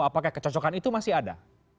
apakah kecocokan itu masih ada